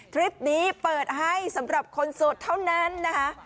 คลิปนี้เปิดให้สำหรับคนโสดเท่านั้นนะคะ